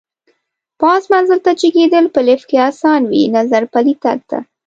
پاس منزل ته جګېدل په لېفټ کې اسان وي، نظر پلي تګ ته.